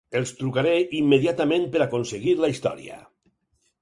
Els trucaré immediatament per aconseguir la història.